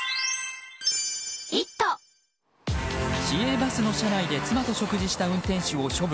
市営バスの車内で妻と食事した運転手を処分。